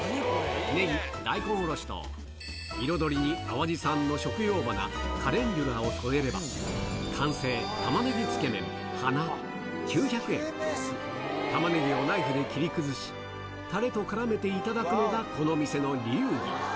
ネギ、大根おろしと、いろどりに淡路産の食用花、カレンデュラを添えれば、完成、玉ねぎつけ麺華９００円。タマネギをナイフで切り崩し、たれとからめて頂くのがこの店の流儀。